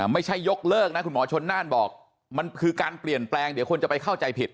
ไม่ใช่ยกเลิกนะคุณหมอชนน่านบอกมันคือการเปลี่ยนแปลงเดี๋ยวคนจะไปเข้าใจผิด